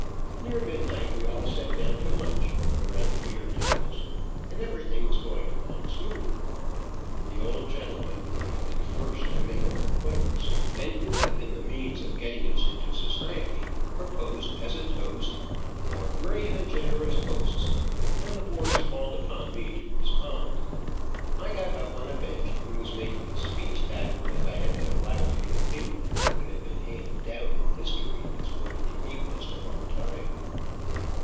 Near midnight we all set down to lunch, around the beer tables, and everything was going along smooth. The old gentleman who had been first to make our acquaintance, and who had been the means of getting us into society, proposed as a toast, "Our brave and generous hosts," and the boys called upon me to respond. I got up on a bench and was making a speech that, if I had been allowed to continue, would have been handed down in history as one of the ablest of our time.